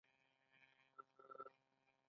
د واقعي مزد د ټیټېدو لومړنی لامل څرګند دی